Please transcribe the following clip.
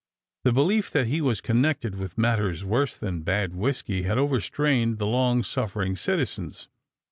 The belief that he was connected with matters worse than bad whisky had overstrained the long suffering citizens.